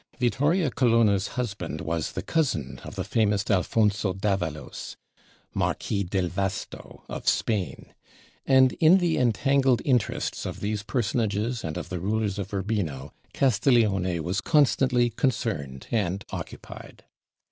Vittoria Colonna's husband was the cousin of the famous Alfonso d'Avalos (Marquis del Vasto) of Spain: and in the entangled interests of these personages and of the rulers of Urbino, Castiglione was constantly concerned and occupied.